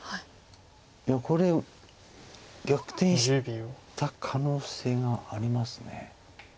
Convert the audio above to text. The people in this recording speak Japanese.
いやこれ逆転した可能性があります。